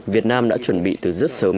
việt nam đã chuẩn bị từ rất sớm